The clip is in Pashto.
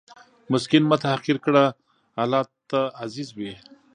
مسکین مه تحقیر کړه، الله ته عزیز وي.